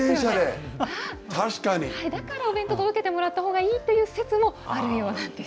だからお弁当届けてもらったほうがいいという説もあるようなんです。